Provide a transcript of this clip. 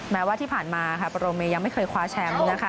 แม้ว่าที่ผ่านมาค่ะโปรเมย์ยังไม่เคยคว้าแชมป์นะคะ